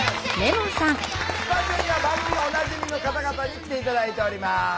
スタジオには番組おなじみの方々に来て頂いております。